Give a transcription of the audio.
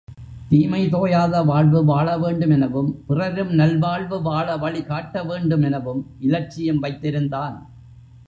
தீமை தோயாத வாழ்வு வாழவேண்டும் எனவும் பிறரும் நல்வாழ்வு வாழ வழி காட்டவேண்டும் எனவும் இலட்சியம் வைத்திருந்தான்.